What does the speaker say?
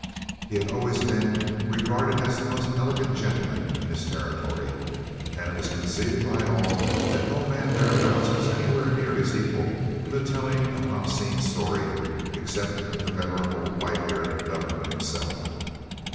He had always been regarded as the most elegant gentleman in his territory, and it was conceded by all that no man thereabouts was anywhere near his equal in the telling of an obscene story except the venerable white haired governor himself.